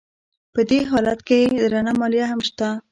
په دې حالت کې درنه مالیه هم شته